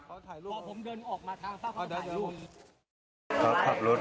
พอผมเดินออกมาทางฝ้าเขาจะถ่ายรูป